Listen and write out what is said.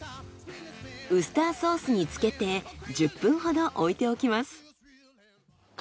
ウスターソースに漬けて１０分ほど置いておきます。